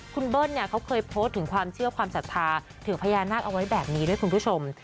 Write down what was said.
คุณเบิ้ลเนี่ยเขาเคยโพสต์ถึงความเชื่อความศรัทธาถึงพญานาคเอาไว้แบบนี้ด้วยคุณผู้ชม